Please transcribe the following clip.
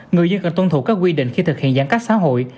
người dân cần tuân thủ các quy định khi thực hiện giãn cách xã hội